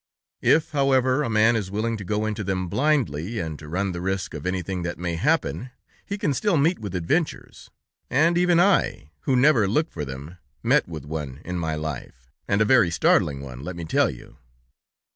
If, however, a man is willing to go into them blindly, and to run the risk of anything that may happen, he can still meet with adventures, and even I, who never look for them, met with one in my life, and a very startling one; let me tell you.